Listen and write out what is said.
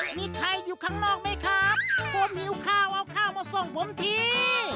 มีใครอยู่ข้างนอกไหมครับกลัวหมิวข้าวเอาข้าวมาส่งผมที